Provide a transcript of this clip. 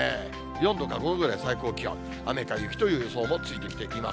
４度か５度ぐらい、最高気温、雨か雪という予想もついてきています。